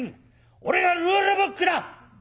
俺がルールブックだ！